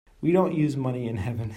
We don't use money in heaven.